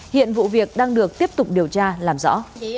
hiện vụ việc đang được tiếp tục điều tra làm rõ